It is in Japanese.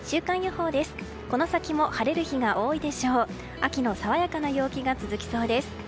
秋の爽やかな陽気が続きそうです。